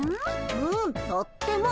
うんとっても。